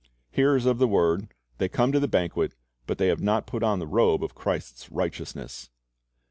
Hearers of the word, they come to the banquet, but they have not put on the robe of Christ's righteousness.